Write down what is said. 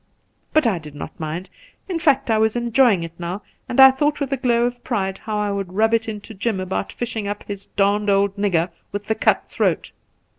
But I did not mind ; in fact, I was enjoying it now, and I thought with a glow of pride how "I would rub it into Jim about fishing up his darned old nigger with the cut throat.